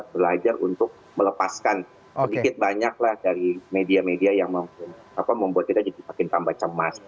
belajar untuk melepaskan sedikit banyak lah dari media media yang membuat kita jadi makin tambah cemas